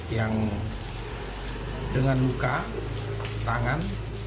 yang dengan luka tangan